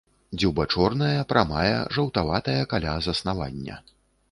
Дзюба чорная, прамая, жаўтаватая каля заснавання.